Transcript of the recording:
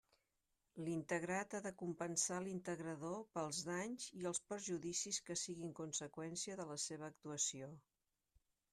L'integrat ha de compensar l'integrador pels danys i els perjudicis que siguin conseqüència de la seva actuació.